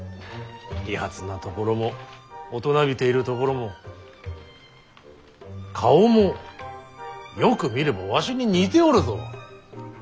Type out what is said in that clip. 利発なところも大人びているところも顔もよく見ればわしに似ておるぞ。